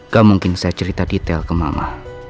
gak mungkin saya cerita detail ke mama